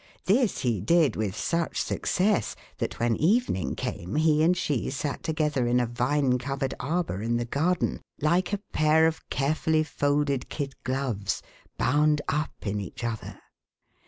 This he did with such success that when evening came, he and she sat together in a vine covered arbor in the garden like a pair of carefully folded kid gloves bound up in each other.